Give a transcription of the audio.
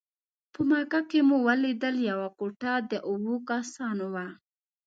په مکه کې مو ولیدل یوه کوټه د اوو کسانو وه.